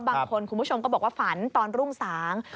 คุณผู้ชมก็บอกว่าฝันตอนรุ่งสาง